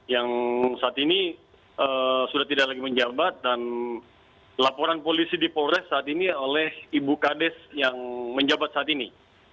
yang saat ini sudah tidak lagi menjabat dan laporan polisi di polres saat ini oleh ibu kades yang menjabat saat ini